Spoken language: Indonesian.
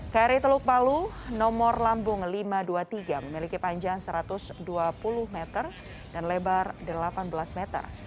kri teluk palu nomor lambung lima ratus dua puluh tiga memiliki panjang satu ratus dua puluh meter dan lebar delapan belas meter